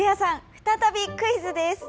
再びクイズです！